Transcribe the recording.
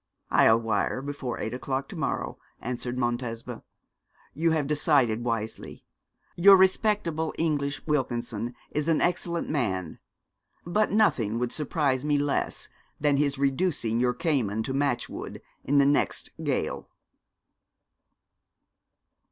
'I'll wire before eight o'clock to morrow,' answered Montesma, 'You have decided wisely. Your respectable English Wilkinson is an excellent man but nothing would surprise me less than his reducing your Cayman to matchwood in the next gale.'